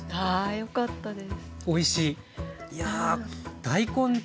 よかったです。